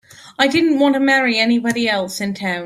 I didn't want to marry anybody else in town.